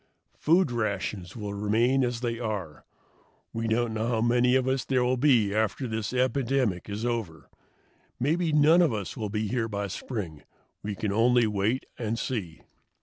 Food rations will remain as they are. We don't know how many of us there will be after this epidemic is over. Maybe none of us will be here by spring; we can only wait and see."